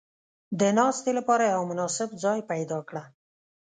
• د ناستې لپاره یو مناسب ځای پیدا کړه.